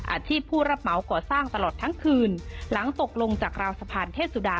ผู้รับเหมาก่อสร้างตลอดทั้งคืนหลังตกลงจากราวสะพานเทศสุดา